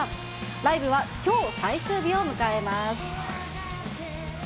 ライブはきょう、最終日を迎えます。